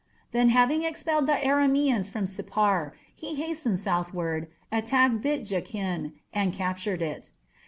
Then having expelled the Aramaeans from Sippar, he hastened southward, attacked Bit Jakin and captured it.